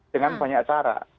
dengan banyak cara